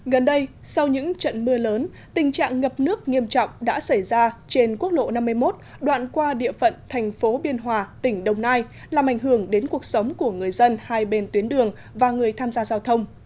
gần đây sau những trận mưa lớn tình trạng ngập nước nghiêm trọng đã xảy ra trên quốc lộ năm mươi một đoạn qua địa phận thành phố biên hòa tỉnh đồng nai làm ảnh hưởng đến cuộc sống của người dân hai bên tuyến đường và người tham gia giao thông